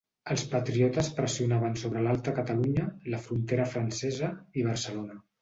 Els patriotes pressionaven sobre l'Alta Catalunya, la frontera francesa i Barcelona.